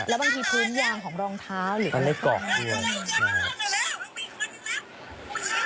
แล้วบางทีพื้นยางของรองเท้าหรือยังไงมันได้เกาะด้วยใช่ฮะ